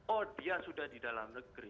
oh dia sudah di dalam negeri